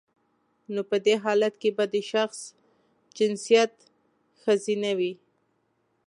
نو په دی حالت کې به د شخص جنسیت خځینه وي